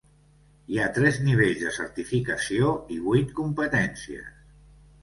Hi ha tres nivells de certificació i vuit competències.